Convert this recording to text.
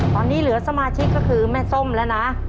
ตอนนี้เหลือสมาชิกก็คือแม่ส้มแล้วนะ